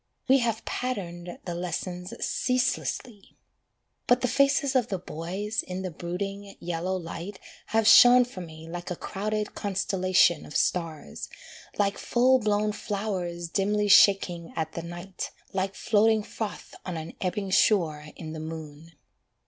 We have pattered the lessons ceaselessly But the faces of the boys, in the brooding, yellow light Have shone for me like a crowded constellation of stars, Like full blown flowers dimly shaking at the night, Like floating froth on an ebbing shore in the moon.